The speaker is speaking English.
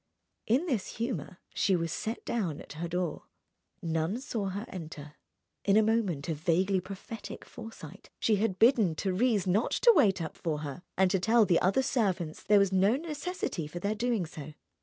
In this humour she was set down at her door. None saw her enter. In a moment of vaguely prophetic foresight she had bidden Thérèse not to wait up for her and to tell the other servants there was no necessity for their doing so.